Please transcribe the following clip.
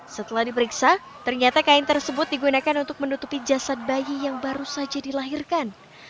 setelah diperiksa ternyata kain tersebut digunakan untuk menutupi jasad bayi yang baru saja dilahirkan